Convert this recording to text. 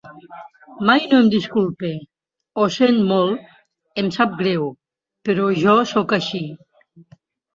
Mai no em disculpe; ho sent molt, em sap greu, però jo soc així.